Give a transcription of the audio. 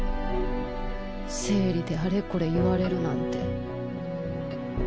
生理であれこれ言われるなんて。